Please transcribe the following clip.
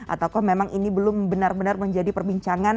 atau kok memang ini belum benar benar menjadi perbincangan masyarakat